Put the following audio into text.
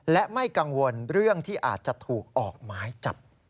และไม่กังวลเรื่องที่อาจจะถูกออกหมายจับ